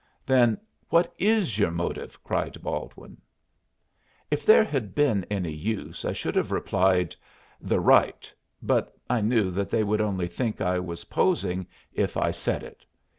"Then what is your motive?" cried Baldwin. If there had been any use, I should have replied, "The right;" but I knew that they would only think I was posing if I said it.